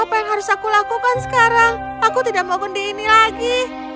apa yang harus aku lakukan sekarang aku tidak mau kendi ini lagi